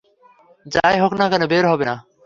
যাই হোক না কেন, বের হবে না।